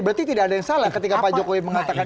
berarti tidak ada yang salah ketika pak jokowi mengatakan